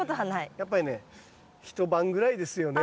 やっぱりね一晩ぐらいですよね。